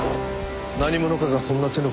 何者かがそんな手の込んだ